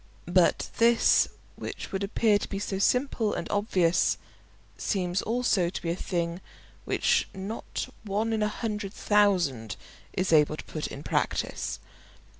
But this, which would appear to be so simple and obvious, seems also to be a thing which not one in a hundred thousand is able to put in practice.